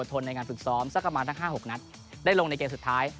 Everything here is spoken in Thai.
ทนในการฝึกซ้อมสักประมาณทั้ง๕๖นัดได้ลงในเกมสุดท้าย